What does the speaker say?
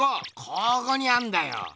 ここにあんだよ。